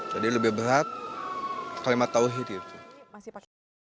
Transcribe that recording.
jadi lebih berat kalimat tawhid itu